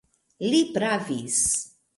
Li pravis.